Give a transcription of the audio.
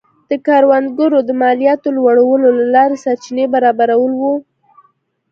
د کروندګرو د مالیاتو لوړولو له لارې سرچینې برابرول و.